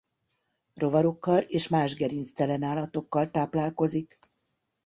Rovarokkal és más gerinctelen állatokkal táplálkozik.